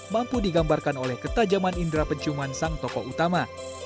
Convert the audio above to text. mampu digambarkan oleh ketajaman indera penciuman sang tokoh utama